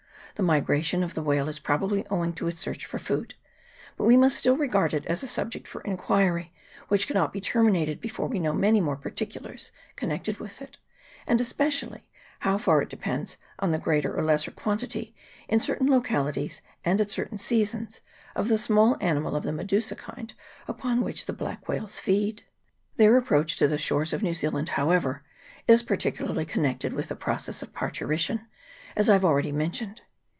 The migration of the whale is probably owing to its search for food ; but we must still regard it as a subject for inquiry, which cannot be terminated before we know many more particulars connected with it, and espe CHAP. II.] WHALES AND WHALERS. 47 cially how far it depends on the greater or lesser quan tity, in certain localities and at certain seasons, of the small animal of the Medusa kind upon which the black whales feed. Their approach to the shores of New Zealand, however, is particularly connected with the process of parturition, as I have already mentioned.